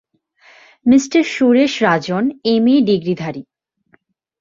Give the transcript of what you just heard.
Mr Suresh Rajan MA ডিগ্রিধারী।